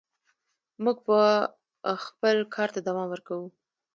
موږ به خپل کار ته دوام ورکوو.